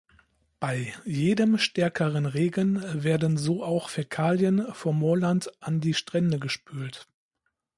Bei jedem stärkeren Regen werden so auch Fäkalien vom Moorland an die Strände gespült.